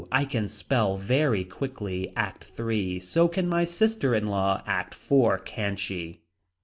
I can spell very quickly. ACT III. So can my sister in law. ACT IV. Can she.